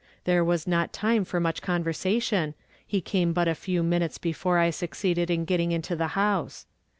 There was not time for much convei sation ; he came hut a few minutes hefore I succeeded in getthig into the house.